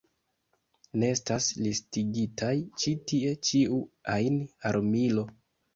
Ne estas listigitaj ĉi tie ĉiu ajn armilo.